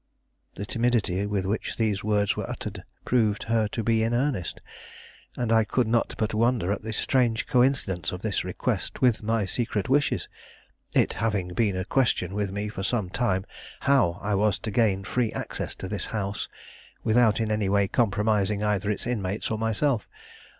The timidity with which these words were uttered proved her to be in earnest, and I could not but wonder at the strange coincidence of this request with my secret wishes; it having been a question with me for some time how I was to gain free access to this house without in any way compromising either its inmates or myself.